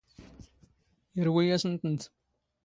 ⵉⵔⵡⵉ ⴰⵙⵏ ⵜⵏⵜ.